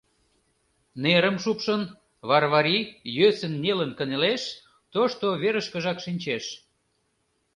Нерым шупшын, Варвари йӧсын-нелын кынелеш, тошто верышкыжак шинчеш.